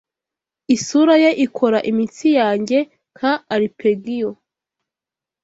Isura ye ikora imitsi yanjye nka arpeggio